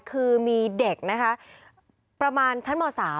คือมีเด็กนะคะประมาณชั้นม๓